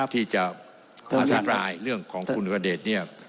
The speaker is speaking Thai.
ที่จะอาฆาตรายเรื่องของคุณอัครเดชน์นี้